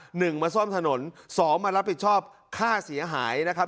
หนึ่งมาซ่อมถนนสองมารับผิดชอบค่าเสียหายนะครับ